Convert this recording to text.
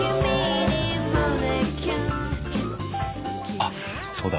あっそうだ。